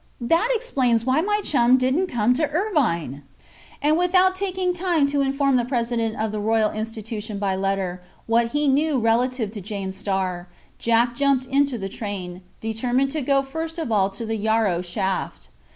That explains why my chum didn't come to Irvine." And without taking time to inform the President of the Royal Institution by letter, what he knew relative to James Starr, Jack jumped into the train, determining to go first of all to the Yarrow shaft.